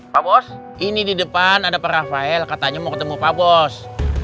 pak bos ini di depan ada pak rafael katanya mau ketemu pak bos